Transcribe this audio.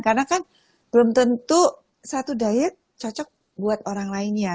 karena kan belum tentu satu diet cocok buat orang lainnya